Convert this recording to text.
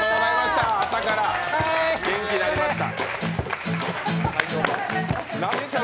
朝から元気になりました。